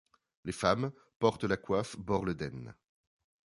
Les femmes portent la coiffe Borledenn.